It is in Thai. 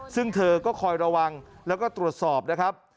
ซึ่งเธอก็คอยระวังแล้วก็ตรวจสอบนะครับ